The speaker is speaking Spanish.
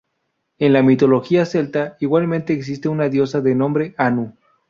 En la mitología celta igualmente existe una diosa de nombre Anu.